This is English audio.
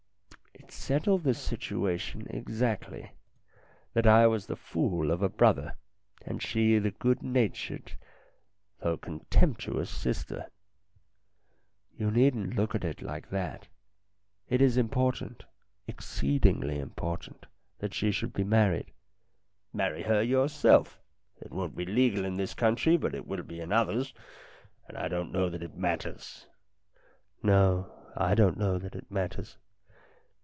It settled the situation exactly that I was the fool of a 286 STORIES IN GREY brother, and she the good natured, though con temptuous sister." "You needn't look at it like that. It is im portant, exceedingly important that she should be married." "Marry her yourself it won't be legal in this country, but it will in others, and I don't know that it matters." " No, I don't know that it matters.